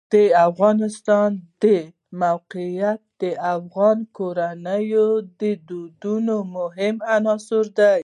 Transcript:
د افغانستان د موقعیت د افغان کورنیو د دودونو مهم عنصر دی.